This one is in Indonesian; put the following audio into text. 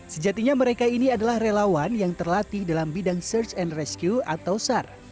sejatinya mereka ini adalah relawan yang terlatih dalam bidang search and rescue atau sar